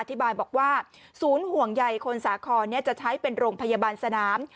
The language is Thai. บอกว่าศูนย์ห่วงใยคนสาครจะใช้เป็นโรงพยาบาลสนาม